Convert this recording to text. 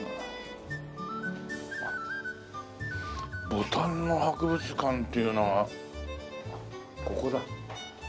ボタンの博物館っていうのはここだ。